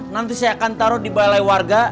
nanti saya akan taruh di balai warga